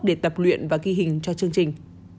để tập luyện và ghi hình cho chương trình